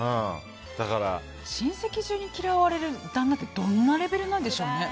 親戚中に嫌われる旦那ってどんなレベルなんでしょうね？